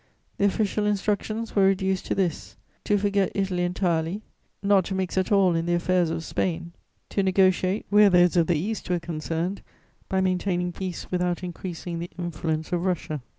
The official instructions were reduced to this: to forget Italy entirely, not to mix at all in the affairs of Spain, to negociate, where those of the East were concerned, by maintaining peace without increasing the influence of Russia.